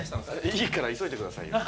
いいから急いでくださいよ。